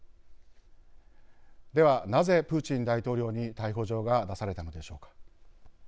では、なぜプーチン大統領に逮捕状が出されたのでしょうか。